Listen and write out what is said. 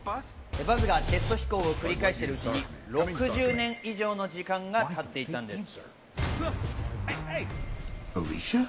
バズがテスト飛行を繰り返しているうちに６０年以上の時間が経っていたんです。